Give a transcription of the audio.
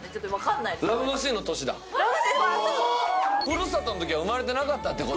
『ふるさと』の時は生まれてなかったって事？